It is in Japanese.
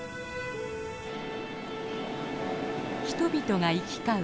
人々が行き交う